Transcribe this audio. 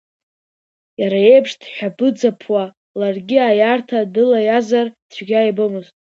Иара иеиԥш дҳәаԥыӡаԥуа ларгьы аиарҭа дылаиазар цәгьа ибомызт.